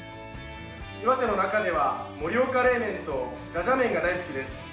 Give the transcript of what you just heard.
岩手の中では、盛岡冷麺とじゃじゃ麺が大好きです。